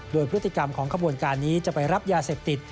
โดยพฤติกรรมของขบวนการนี้จะไปรับยาเสพติด